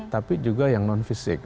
tapi juga yang non fisik